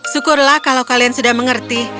syukurlah kalau kalian sudah mengerti